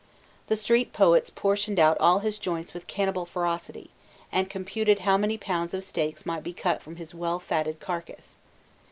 The street poets portioned out all his joints with cannibal ferocity, and computed how many pounds of steaks might be cut from his well fattened carcass.